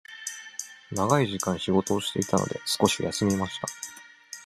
長い時間仕事をしていたので、少し休みました。